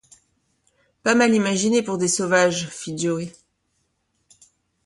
Pas mal imaginé pour des sauvages! fit Joe.